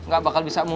gak bakal bisa mundur